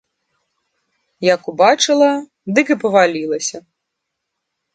Як убачыла, дык і павалілася.